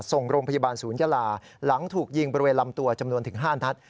ส่งโรงพยาบาลศูนยาลาหลังถูกยิงบริเวณลำตัวจำนวนถึง๕นัด